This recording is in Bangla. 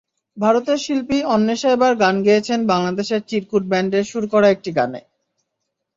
ভারতের শিল্পী অন্বেষা এবার গান গেয়েছেন বাংলাদেশের চিরকুট ব্যান্ডের সুর করা একটি গানে।